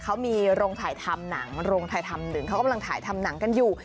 เขามีโรงถ่ายทำหนังโรงถ่ายทำหนึ่งเขากำลังถ่ายทำหนังกันอยู่